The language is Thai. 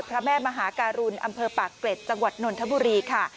พระแม่มหาการุณอำเภอปากเกร็ดจังหวัดนนทบุรีค่ะ